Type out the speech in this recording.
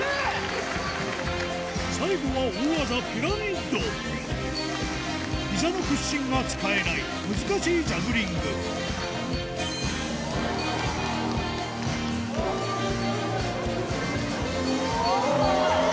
最後は大技ピラミッド膝の屈伸が使えない難しいジャグリングおぉ！